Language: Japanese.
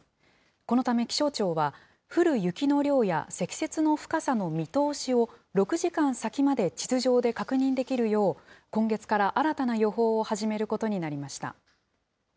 このため気象庁は、降る雪の量や積雪の深さの見通しを、６時間先まで地図上で確認できるよう、今月から新たな予報を始めることになりました。